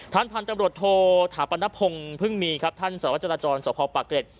ท่านพันธ์ตำรวจโทษถาปัณฑพงษ์เพิ่งมีครับท่านสวัสดิ์จรจรสวพปากเกรด